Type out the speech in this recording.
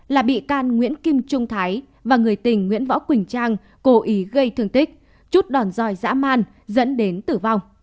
là bị can nguyễn kim trung thái và người tình nguyễn võ quỳnh trang cố ý gây thương tích chút đòn roi dã man dẫn đến tử vong